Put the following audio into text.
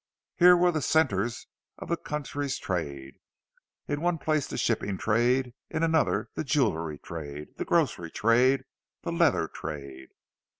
Here were the centres of the country's trade; in one place the shipping trade, in another the jewellery trade, the grocery trade, the leather trade.